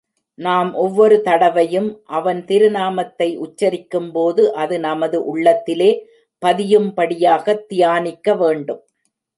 நாம் ஒவ்வொரு தடவையும் அவன் திருநாமத்தை உச்சரிக்கும்போது அது நமது உள்ளத்திலே பதியும்படியாகத் தியானிக்க வேண்டும்.